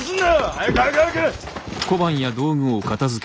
早く早く早く！